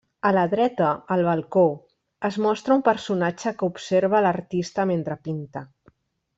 A la dreta, al balcó, es mostra un personatge que observa l'artista mentre pinta.